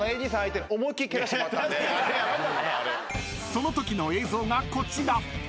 ［そのときの映像がこちら］